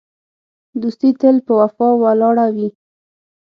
دوستي تل په وفا ولاړه وي.